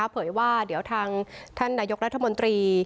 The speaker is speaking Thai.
เพิ่ยวว่าเดี๋ยวท่านหน้ายกรัฐมนตรี